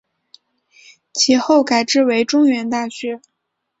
其后改制为中原大学。